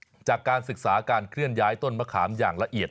จากการศึกษาการเคลื่อนย้ายต้นมะขามอย่างละเอียด